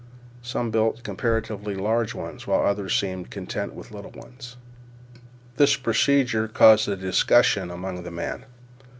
Some built comparatively large ones, while others seems content with little ones. This procedure caused a discussion among the men.